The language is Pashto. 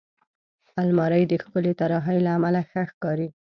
الماري د ښکلې طراحۍ له امله ښه ښکاري